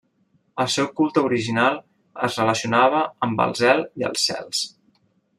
El seu culte original es relacionava amb el zel i els cels.